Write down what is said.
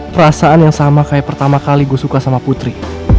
perasaan yang sama kayak pertama kali gue suka sama putri